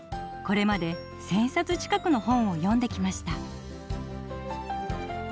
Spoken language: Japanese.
これまで１，０００冊近くの本を読んできました。